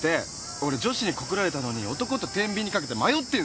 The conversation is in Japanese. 俺女子に告られたのに男とてんびんにかけて迷ってんすよ？